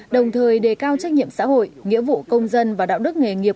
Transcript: đồng thời đề cao trách nhiệm xã hội nghĩa vụ công dân và đạo đức nghề nghiệp